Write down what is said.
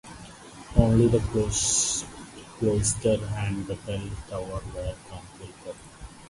Only the cloister and the bell tower were completed.